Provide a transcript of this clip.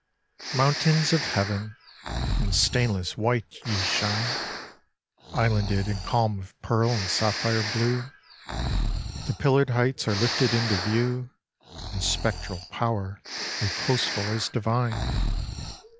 Mountains of heaven, in stainless white ye shine, Islanded in calm of pearl and sapphire blue! The pillared heights are lifted into view In spectral power reposeful as divine.